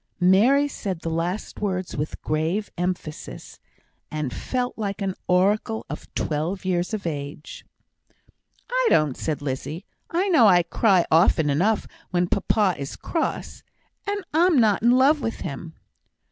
Mary said the last words with grave emphasis, and felt like an oracle of twelve years of age. "I don't," said Lizzie. "I know I cry often enough when papa is cross, and I'm not in love with him."